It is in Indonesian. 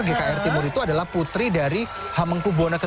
gkr timur itu adalah putri dari hamengku bona ke tujuh